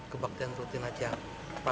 kebaktian rutin saja